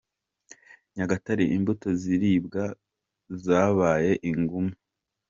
Nyagatare Imbuto ziribwa zabaye ingume